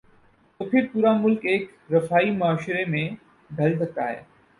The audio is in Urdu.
تو پھر پورا ملک ایک رفاہی معاشرے میں ڈھل سکتا ہے۔